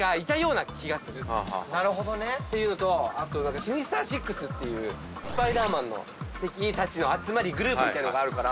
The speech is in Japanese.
ていうのとあとシニスター・シックスっていうスパイダーマンの敵たちの集まりグループみたいのがあるから。